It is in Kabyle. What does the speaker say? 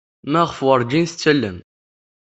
Maɣef werjin tettallem?